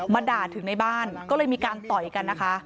ด่าถึงในบ้านก็เลยมีการต่อยกันนะคะ